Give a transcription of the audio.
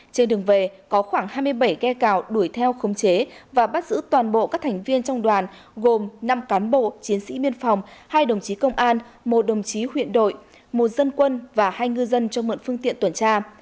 trên đường về có khoảng hai mươi bảy ghe cào đuổi theo khống chế và bắt giữ toàn bộ các thành viên trong đoàn gồm năm cán bộ chiến sĩ biên phòng hai đồng chí công an một đồng chí huyện đội một dân quân và hai ngư dân cho mượn phương tiện tuần tra